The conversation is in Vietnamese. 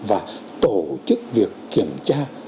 và tổ chức việc kiểm tra